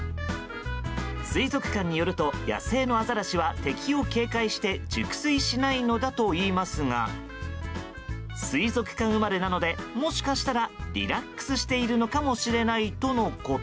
水族館によると野生のアザラシは敵を警戒して熟睡しないのだといいますが水族館生まれなのでもしかしたらリラックスしているのかもしれないとのこと。